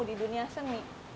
di dunia seni